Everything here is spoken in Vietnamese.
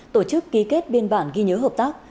tổ chức ký kết biên bản ghi nhớ hợp tác